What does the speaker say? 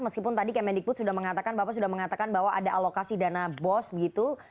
meskipun tadi kemendikbud sudah mengatakan bapak sudah mengatakan bahwa ada alokasi dana bos begitu